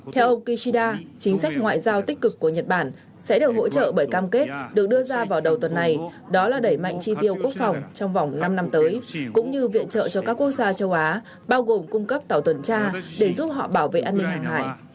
theo ông kishida chính sách ngoại giao tích cực của nhật bản sẽ được hỗ trợ bởi cam kết được đưa ra vào đầu tuần này đó là đẩy mạnh chi tiêu quốc phòng trong vòng năm năm tới cũng như viện trợ cho các quốc gia châu á bao gồm cung cấp tàu tuần tra để giúp họ bảo vệ an ninh hàng hải